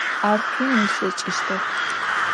Ар хъун ылъэкӏыщтэп.